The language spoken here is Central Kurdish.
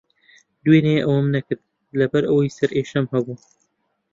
دوێنێ ئەوەم نەکرد، لەبەرەوەی سەرێشەم ھەبوو.